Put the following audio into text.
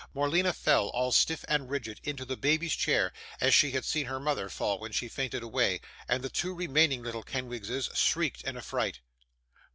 Morleena fell, all stiff and rigid, into the baby's chair, as she had seen her mother fall when she fainted away, and the two remaining little Kenwigses shrieked in affright.